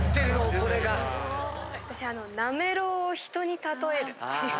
私なめろうを人に例えるっていう。